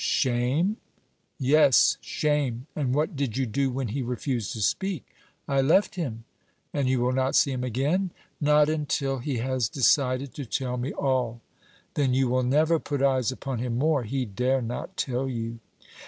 "Shame?" "Yes, shame! And what did you do when he refused to speak?" "I left him." "And you will not see him again?" "Not until he has decided to tell me all." "Then you will never put eyes upon him more; he dare not tell you!"